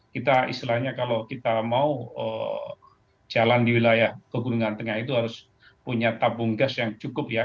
kita istilahnya kalau kita mau jalan di wilayah pegunungan tengah itu harus punya tabung gas yang cukup ya